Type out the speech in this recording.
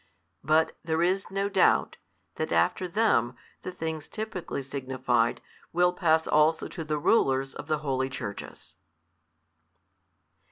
But there is no doubt, that after them the things typically signified will pass also to the rulers of the holy Churches.